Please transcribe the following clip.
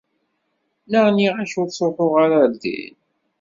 Naɣ nniɣ-ak ur ttṛuḥu ara ɣer din?